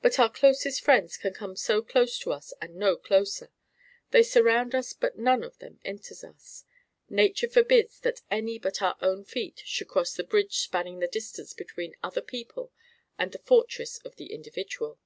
But our closest friends can come so close to us and no closer; they surround us but none of them enters us. Nature forbids that any but our own feet should cross the bridge spanning the distance between other people and the fortress of the individual.